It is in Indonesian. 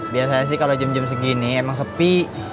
biasanya sih kalau jam jam segini emang sepi